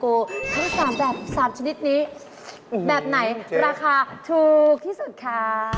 ทั้ง๓แบบ๓ชนิดนี้แบบไหนราคาถูกที่สุดคะ